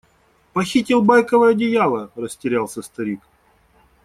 Похитил байковое одеяло? – растерялся старик.